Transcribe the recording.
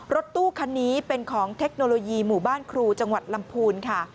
รถตู้คันนี้เป็นของเทคโนโลยีหมู่บ้านครูจังหวัดลำพูนค่ะ